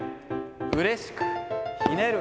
うれしく、ひねる。